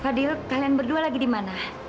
fadhil kalian berdua lagi dimana